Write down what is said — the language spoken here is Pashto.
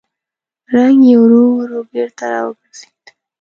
رنګ يې ورو ورو بېرته راوګرځېد.